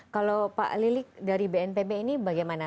kalau pak lilik dari bnpb ini bagaimana